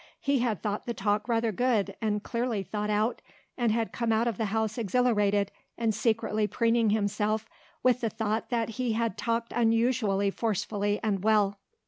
He had thought the talk rather good and clearly thought out and had come out of the house exhilarated and secretly preening himself with the thought that he had talked unusually forcefully and well.